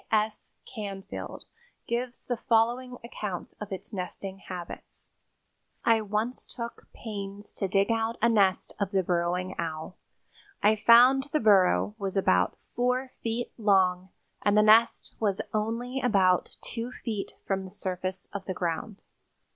C. S. Canfield gives the following account of its nesting habits: "I once took pains to dig out a nest of the Burrowing Owl. I found the burrow was about four feet long and the nest was only about two feet from the surface of the ground.